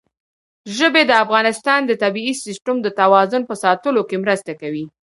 ژبې د افغانستان د طبعي سیسټم د توازن په ساتلو کې مرسته کوي.